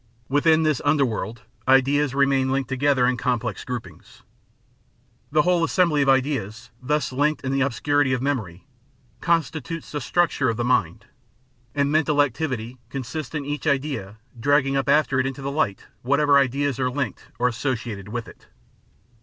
Within this underworld ideas remain linked together in complex groupings. The whole assembly of ideas, thus linked in the obsciu*ity of memory, constitutes the structure of the mind; and mental activity consists in each idea dragging up after it into the light whatever ideas are linked or associated with it.